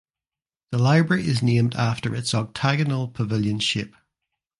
The library is named after its octagonal pavilion shape.